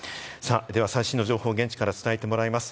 最新の情報を現地から伝えてもらえます。